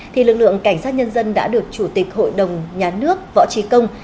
thì lực lượng cảnh sát nhân dân đã được chủ tịch hội đồng nhà nước võ trí công